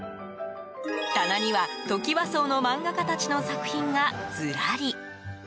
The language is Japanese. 棚には、トキワ壮の漫画家たちの作品がずらり。